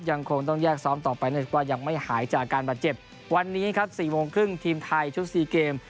ยังคงต้องแยกซ้อมต่อไปเนื่องจากว่ายังไม่หายจากการบาดเจ็บวันนี้ครับ๔โมงครึ่งทีมไทยชุด๔เกม